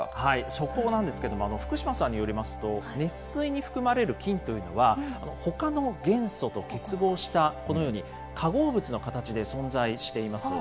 そこなんですけども、福島さんによりますと、熱水に含まれる金というのは、ほかの元素と結合した、このように化合物の形で存在しています。